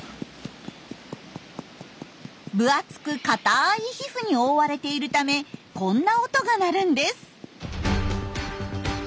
分厚く硬い皮膚に覆われているためこんな音が鳴るんです。